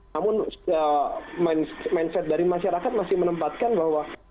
namun mindset dari masyarakat masih menempatkan bahwa